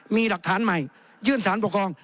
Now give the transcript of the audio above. มีหลักฐานใหม่ยื่นสารปกครอง